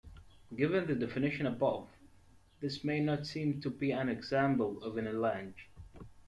Given the definition above, this may not seem to be an example of enallage.